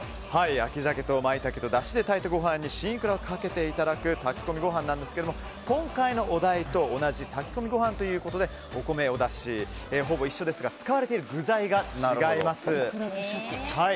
秋鮭とマイタケとだしで炊いたご飯に新いくらをかけていただく炊き込みご飯ですが今回のお題と同じ炊き込みご飯ということでお米、おだしはほぼ一緒ですが使われている具材が違います。